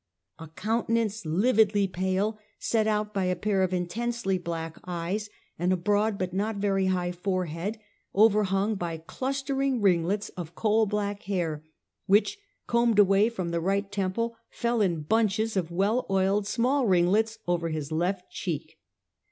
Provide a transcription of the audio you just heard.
A countenance lividly pale, set out by a pair of in tensely black eyes, and a broad but not very high forehead, overhung by clustering ringlets of coal black hair, which, combed away from the right temple, fell in bunches of well oiled small ringlets over his left cheek.